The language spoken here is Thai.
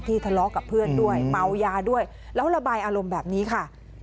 ทะเลาะกับเพื่อนด้วยเมายาด้วยแล้วระบายอารมณ์แบบนี้ค่ะ